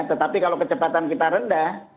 tetapi kalau kecepatan kita rendah